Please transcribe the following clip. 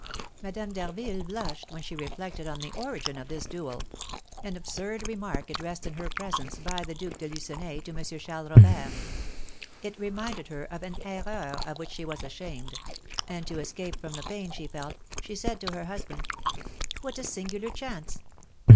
Madame d'Harville blushed when she reflected on the origin of this duel, an absurd remark addressed in her presence by the Duke de Lucenay to M. Charles Robert. It reminded her of an erreur of which she was ashamed, and, to escape from the pain she felt, she said to her husband: "What a singular chance!